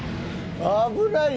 危ないね。